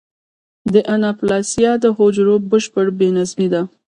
د اناپلاسیا د حجرو بشپړ بې نظمي ده.